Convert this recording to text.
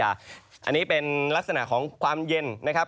อันนี้เป็นลักษณะของความเย็นนะครับ